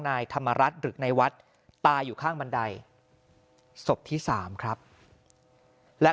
นายธรรมรัฐหรือนายวัดตายอยู่ข้างบันไดศพที่สามครับและ